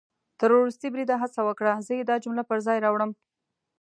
تر ورستي بریده هڅه وکړه، زه يې دا جمله پر ځای راوړم